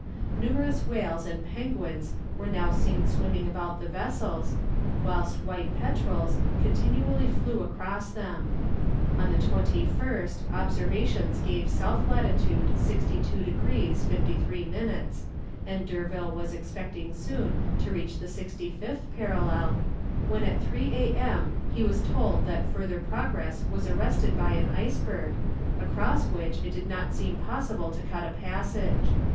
Numerous whales and penguins were now seen swimming about the vessels, whilst white petrels continually flew across them. On the 21st observations gave S. lat. 62 degrees 53 minutes, and D'Urville was expecting soon to reach the 65th parallel, when at three a.m. he was told that further progress was arrested by an iceberg, across which it did not seem possible to cut a passage.